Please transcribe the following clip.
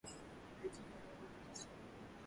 Nataka kuuliza swali.